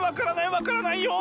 分からないよ！